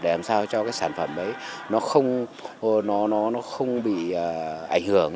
để làm sao cho cái sản phẩm đấy nó không bị ảnh hưởng